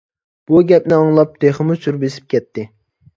بۇ گەپنى ئاڭلاپ تېخىمۇ سۈر بېسىپ كەتتى.